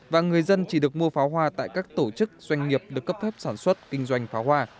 và người dân chỉ được mua pháo hoa tại các tổ chức doanh nghiệp được cấp phép sản xuất kinh doanh pháo hoa